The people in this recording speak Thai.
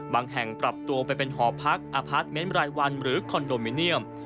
แห่งปรับตัวไปเป็นหอพักอพาร์ทเมนต์รายวันหรือคอนโดมิเนียม